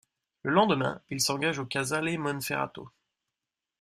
Le lendemain, il s'engage au Casale Monferrato.